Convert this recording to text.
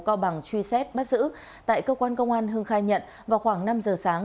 cao bằng truy xét bắt giữ tại cơ quan công an hưng khai nhận vào khoảng năm giờ sáng